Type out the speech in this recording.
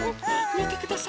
みてください